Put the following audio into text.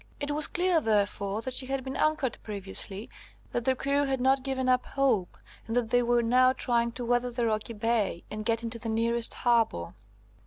It was clear, therefore, that she had been anchored previously, that the crew had not given up hope, and that they were now trying to weather the rocky bay, and get into the nearest harbour.